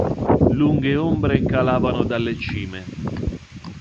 Lunghe ombre calavano dalle cime.